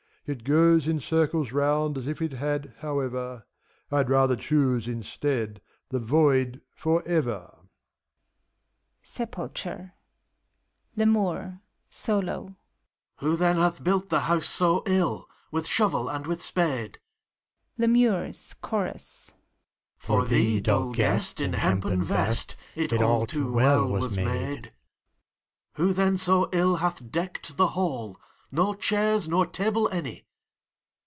Yet goes in circles round as if it had, however: I'd rather choose, instead, the Void forever. SEPULTURE. LEMUR. Solo, Who then hath built the house so ill, With shovel and with spade T LEMURES. Chorus. For thee, dull guest, in hempen vest, It all too well was made. ACT r. 243 LEMUR. Solo. Who then so ill hath decked the hall ? No chairs, nor table any!